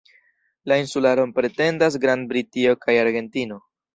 La insularon pretendas Grand-Britio kaj Argentino.